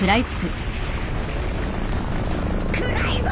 ・暗いぞ！